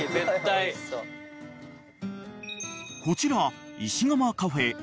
［こちら石窯カフェ